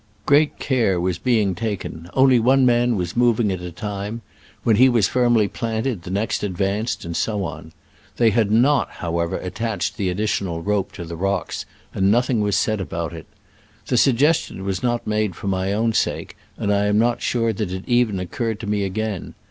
* Great care was being taken. Only one man was moving at a time : when he was firmly planted, the next advanced, and so on. They had not, however, attached the additional rope to rocks, and nothing was said about it.* The suggestion was not made for my own sake, and I am not sure that it even occurred to me again.